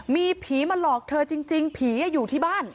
มีผีมาหลอกเธอจริงผีอยู่ที่บ้าน